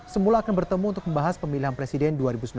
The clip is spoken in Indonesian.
semula akan bertemu untuk membahas pemilihan presiden dua ribu sembilan belas